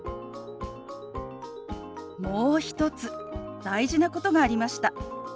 もう一つ大事なことがありました。